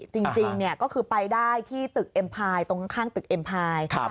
จริงก็คือไปได้ที่ตึกเอ็มพายตรงข้างตึกเอ็มพาย